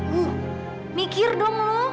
bu mikir dong lu